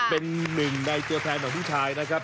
เป็นหนึ่งในตัวแทนของผู้ชายนะครับ